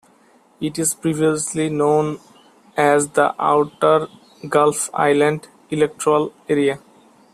It is previously known as the Outer Gulf Islands Electoral Area.